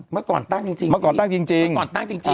เมื่อก่อนตั้งจริงเมื่อก่อนตั้งจริงเมื่อก่อนตั้งจริง